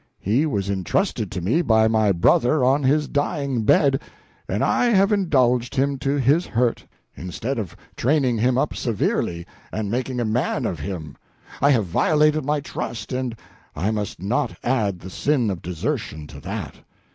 He was intrusted to me by my brother on his dying bed, and I have indulged him to his hurt, instead of training him up severely, and making a man of him. I have violated my trust, and I must not add the sin of desertion to that.